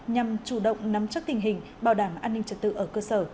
nhằm chủ động nắm chắc tình hình bảo đảm an ninh trật tự ở cơ sở